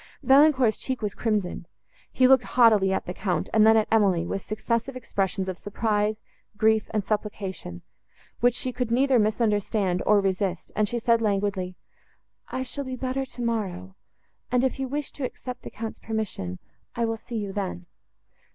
Valancourt's cheek was crimsoned: he looked haughtily at the Count, and then at Emily, with successive expressions of surprise, grief and supplication, which she could neither misunderstand, nor resist, and she said languidly—"I shall be better tomorrow, and if you wish to accept the Count's permission, I will see you then."